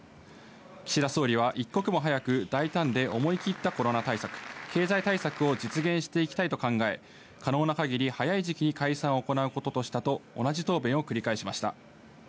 岸田総理は、一刻も早く大胆で思い切ったコロナ対策、経済対策を実現していきたいと考え、可能なかぎり早い時期に解散を行うこととしたと同じ答弁を繰り返しました。